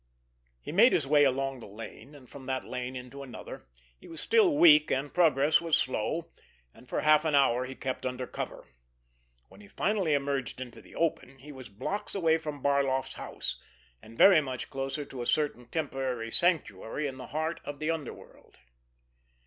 He made his way along the lane, and from that lane into another. He was still weak and progress was slow, and for half an hour he kept under cover. When he finally emerged into the open he was blocks away from Barloff's house, and very much closer to a certain temporary sanctuary in the heart of the underworld!